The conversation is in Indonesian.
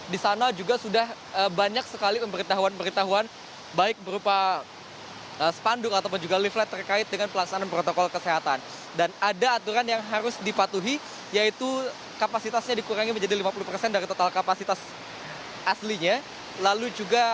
dan di alihkan keluar dari krempu